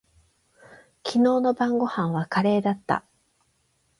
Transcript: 昨日の晩御飯はカレーだった。